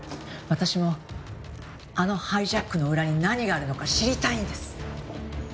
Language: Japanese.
私もあのハイジャックの裏に何があるのか知りたいんです。